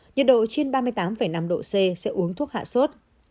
nhiệt độ trên ba mươi tám năm độ c sẽ uống thuốc hạ sốt